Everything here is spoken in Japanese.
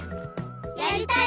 やりたい！